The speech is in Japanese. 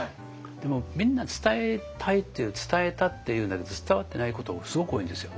でもみんな伝えたいって言う伝えたって言うんだけど伝わってないことがすごく多いんですよ。